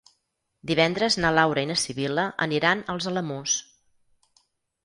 Divendres na Laura i na Sibil·la aniran als Alamús.